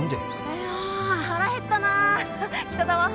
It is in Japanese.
いや腹減ったな北田は？